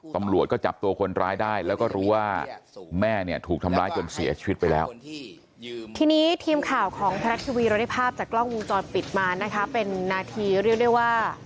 ตำรวจก็จับตัวคนร้ายได้แล้วก็รู้ว่าแม่เนี่ยถูกทำร้ายจนเสียชีวิตไปแล้ว